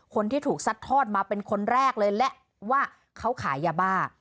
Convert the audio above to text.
คนที่ถูกซัดทอดมาเป็นคนแรกเลยและว่าเขาขายยาบ้า